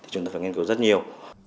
chúng ta phải nghiên cứu rất nhiều